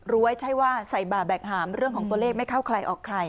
ไม่ใช่ว่าใส่บ่าแบกหามเรื่องของตัวเลขไม่เข้าใครออกใคร